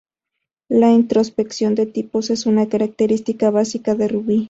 La introspección de tipos es una característica básica de Ruby.